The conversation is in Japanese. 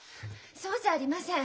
そうじゃありません。